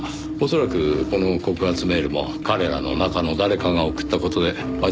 恐らくこの告発メールも彼らの中の誰かが送った事で間違いないでしょう。